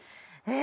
え。